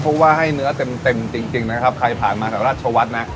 เพราะว่าให้เนื้อเต็มเต็มจริงนะครับใครผ่านมาจากราชวัฒน์นะ